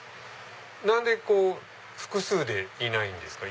何で複数でいないんですか？